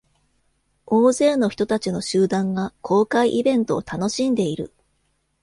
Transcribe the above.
大勢の人たちの集団が公開イベントを楽しんでいる。